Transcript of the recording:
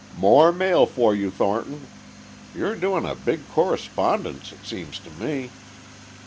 "More mail for you, Thornton! You're doing a big correspondence, it seems to me!"